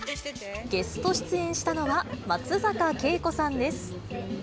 ゲスト出演したのは、松坂慶子さんです。